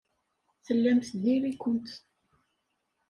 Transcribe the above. Tellamt diri-kent.